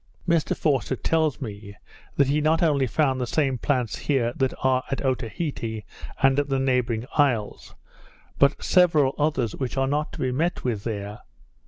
Mr Forster tells me, that he not only found the same plants here that are at Otaheite and the neighbouring isles, but several others which are not to be met with there.